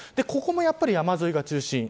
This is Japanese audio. ここもやっぱり山沿いが中心。